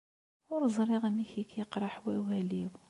Ur ẓriɣ amek i k-yeqreḥ wawal-iw.